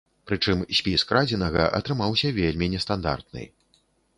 Прычым спіс крадзенага атрымаўся вельмі нестандартны.